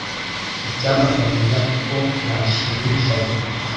Icyampa nkamenya uko nashimisha Bobo .